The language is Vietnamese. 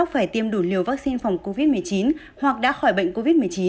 phải tiêm đủ liều vaccine phòng covid một mươi chín hoặc đã khỏi bệnh covid một mươi chín